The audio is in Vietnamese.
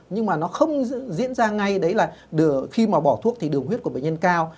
nhưng mà nó không diễn ra ngay đấy là khi mà bỏ thuốc thì đường huyết của bệnh nhân cao